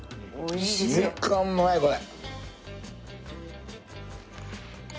イカうまいこれ。